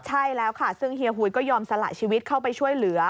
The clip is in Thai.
ใช่แล้วค่ะซึ่งเฮียหุยก็ยอมสละชีวิตเข้าไปช่วยเหลือ